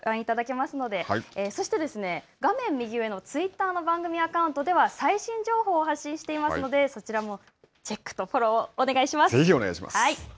右上のツイッターの番組アカウントでは最新情報を発信していますのでそちらもチェックとフォローをぜひ、お願いします。